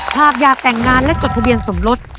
หากอยากแต่งงานและจดทะเบียนสมรส